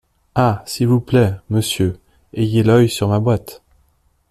Ah ! s’il vous plaît, monsieur, ayez l’œil sur ma boîte.